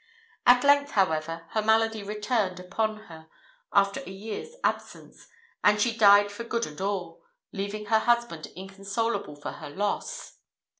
At length, however, her malady returned upon her after a year's absence, and she died for good and all, leaving her husband inconsolable for her loss.